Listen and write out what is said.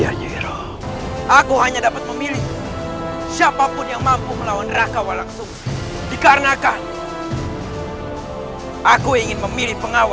hai iya nyero aku hanya dapat memilih siapapun yang mampu melawan raka walau dikarenakan aku ingin memilih pengawal